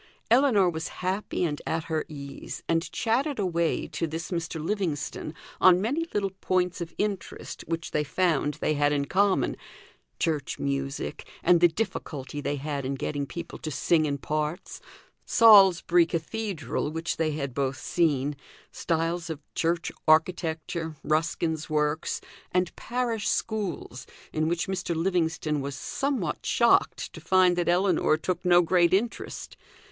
Ellinor was happy and at her ease, and chatted away to this Mr. Livingstone on many little points of interest which they found they had in common: church music, and the difficulty they had in getting people to sing in parts; Salisbury Cathedral, which they had both seen; styles of church architecture, Ruskin's works, and parish schools, in which Mr. Livingstone was somewhat shocked to find that Ellinor took no great interest.